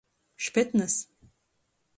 Špetns.